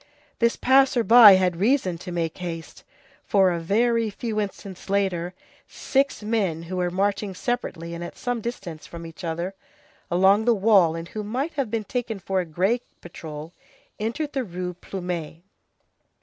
This passer by had reason to make haste, for a very few instants later, six men, who were marching separately and at some distance from each other, along the wall, and who might have been taken for a gray patrol, entered the Rue Plumet.